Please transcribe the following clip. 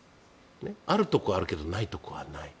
あるところはあるけれどないところはない。